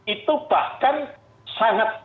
itu bahkan sangat